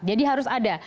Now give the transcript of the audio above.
jadi harus ada